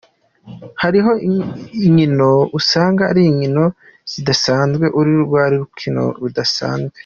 Hariho inkino usanga ari nkino zidasanzwe, uri rwari urukino rudasanzwe.